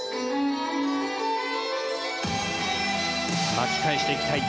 巻き返していきたい